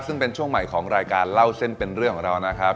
ซึ่งเป็นช่วงใหม่ของรายการเล่าเส้นเป็นเรื่องของเรานะครับ